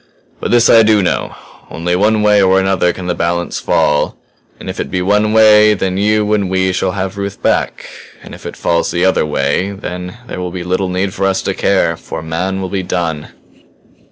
"But this I do know only one way or another can the balance fall; and if it be one way, then you and we shall have Ruth back. And if it falls the other way then there will be little need for us to care. For man will be done!"